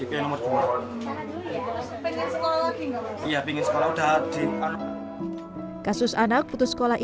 ini langsung berangkat sekolah di rumah tempat yang dianggap sebagai masjid yang dianggap sebagai